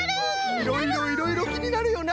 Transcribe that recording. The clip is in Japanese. いろいろいろいろきになるよな！